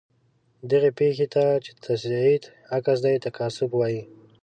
دغې پیښې ته چې د تصعید عکس دی تکاثف وايي.